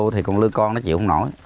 thì con lương con nó chịu không nổi